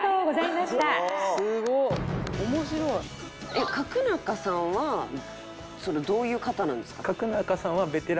えっ角中さんはどういう方なんですか？